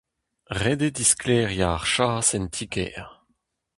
Ret eo disklêriañ ar chas en ti-kêr.